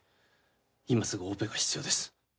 今すぐオペが必要です